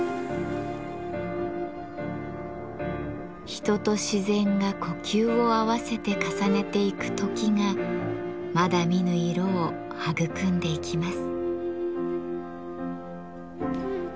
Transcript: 人と自然が呼吸を合わせて重ねていく「時」がまだ見ぬ色を育んでいきます。